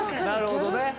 なるほどね。